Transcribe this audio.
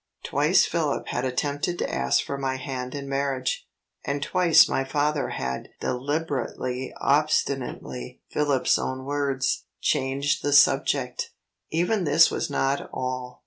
Twice Philip had attempted to ask for my hand in marriage and twice my father had "deliberately, obstinately" (Philip's own words) changed the subject. Even this was not all.